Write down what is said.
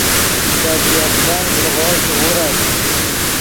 لے بی عقلن ڤڑغو چے غورت